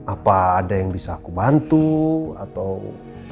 apa ada yang bisa aku bantu atau